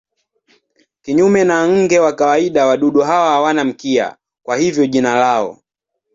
Kinyume na nge wa kawaida wadudu hawa hawana mkia, kwa hivyo jina lao.